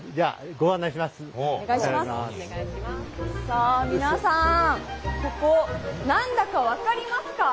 さあ皆さんここ何だか分かりますか？